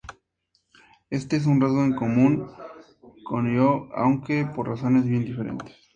Este es un rasgo en común con Ío, aunque por razones bien diferentes.